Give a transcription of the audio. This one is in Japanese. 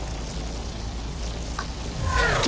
あっ。